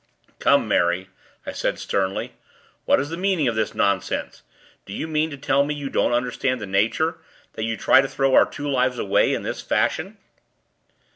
'Come, Mary!' I said, sternly, 'what's the meaning of this nonsense? Do you mean to tell me you don't understand the danger, that you try to throw our two lives away in this fashion!'